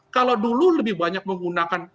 kalau dulu lebih banyak menggunakan